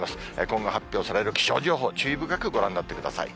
今後、発表される気象情報、注意深くご覧になってください。